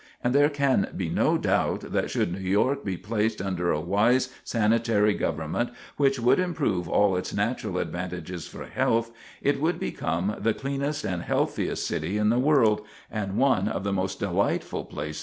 And there can be no doubt, that should New York be placed under a wise sanitary government, which would improve all its natural advantages for health, it would become the cleanest and healthiest city in the world, and one of the most delightful places of residence.